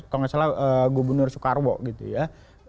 kalau nggak salah gubernur soekarwo gitu ya